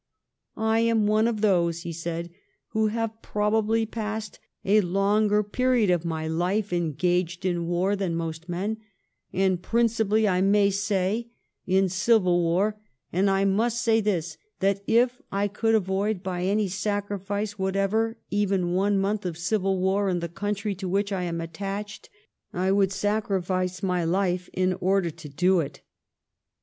"I am one of those," he said, " who have probably passed a longer period of my life engaged in war than most men, and principally, I may say, in civil war, and I nmst say this, that if I could avoid by any sacrifice whatever even one month of civil war in the country to which I am attached, I would sacrifice my life in order to do it."